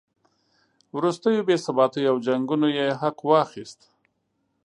وروستیو بې ثباتیو او جنګونو یې حق واخیست.